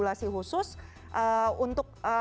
nah ini harus naik